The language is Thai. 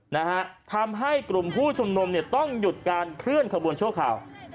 นะฮะทำให้กลุ่มผู้ชุมนุมเนี่ยต้องหยุดการเคลื่อนขบวนชั่วคราว